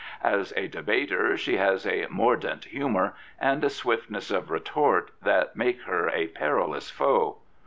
As a de bater she has a mordant humour and a swiftness of 144 Mrs. Pankhurst retort that make her a perilous foe.